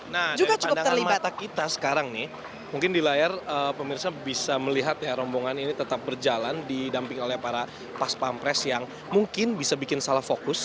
nah dari pandangan mata kita sekarang nih mungkin di layar pemirsa bisa melihat ya rombongan ini tetap berjalan didamping oleh para pas pampres yang mungkin bisa bikin salah fokus